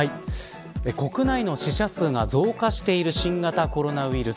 国内の死者数が増加している新型コロナウイルス。